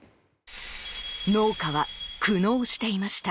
農家は苦悩していました。